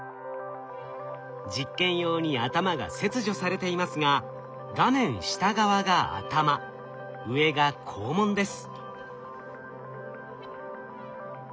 実験用に頭が切除されていますが画面下側が頭上が肛門です。